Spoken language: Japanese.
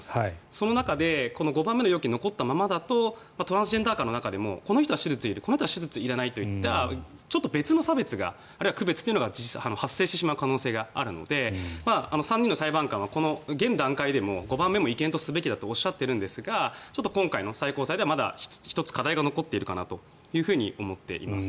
その中で５番目の要件が残ったままだとトランスジェンダー間の中でもこの人は手術がいらないといった別の差別あるいは区別というのが発生してしまう可能性があるので３人の裁判官は、現段階でも５番目も違憲とすべきとおっしゃっているんですが今回の最高裁ではまだ１つ課題が残っていると思っています。